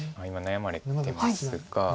今悩まれてますが。